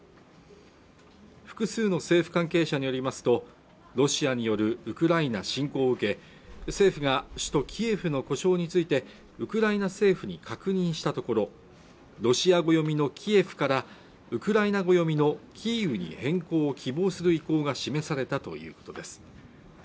複数の政府関係者によりますとロシアによるウクライナ侵攻を受け政府が首都キエフの呼称についてウクライナ政府に確認したところロシア語読みのキエフからウクライナ語読みのキーウに変更を希望する意向が示されたということです